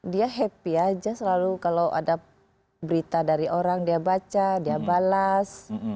dia happy aja selalu kalau ada berita dari orang dia baca dia balas